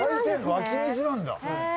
湧き水なんだ。